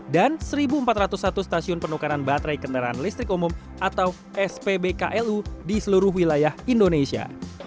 dan satu empat ratus satu stasiun penukaran baterai kendaraan listrik umum atau spbklu di seluruh wilayah indonesia